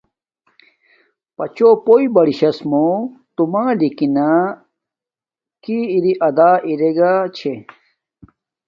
پچوں پوݵ باری شڎ موں توں ملکانا کی اری ادا ایگی ارگے چھے